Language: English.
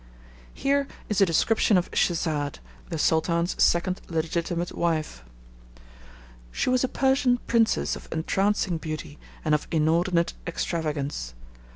Here is a description of Schesade, the Sultan's second legitimate wife: She was a Persian Princess of entrancing beauty, and of inordinate extravagance.